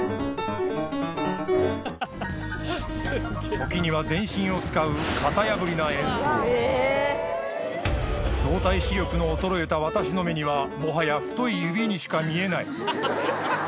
時には全身を使う動体視力の衰えた私の目にはもはや太い指にしか見えない